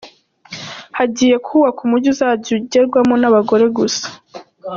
Hagiye kubakwa Umujyi uzajya ugerwamo n’abagore gusa